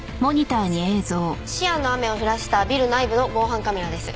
シアンの雨を降らせたビル内部の防犯カメラです。